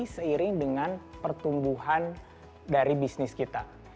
seiring dengan pertumbuhan dari bisnis kita